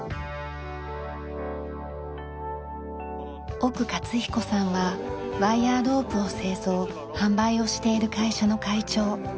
奥勝彦さんはワイヤーロープを製造販売をしている会社の会長。